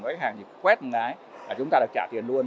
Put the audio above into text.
với khách hàng quét một cái là chúng ta được trả tiền luôn